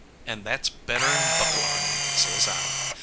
And that's better'n book larnin', says I.